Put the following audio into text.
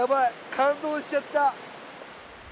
感動しちゃった。